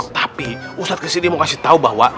tapi ustadz kesini mau kasih tahu bahwa